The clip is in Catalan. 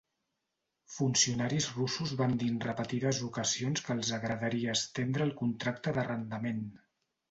Funcionaris russos van dir en repetides ocasions que els agradaria estendre el contracte d'arrendament.